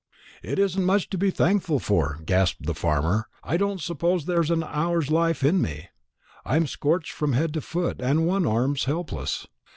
"It isn't much to be thankful for," gasped the farmer. "I don't suppose there's an hour's life in me; I'm scorched from head to foot, and one arm's helpless.